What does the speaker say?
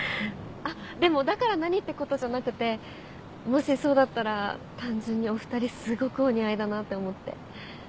あっでもだから何ってことじゃなくてもしそうだったら単純にお二人すごくお似合いだなって思って。